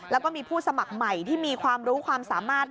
แล้วก็มีผู้สมัครใหม่ที่มีความรู้ความสามารถ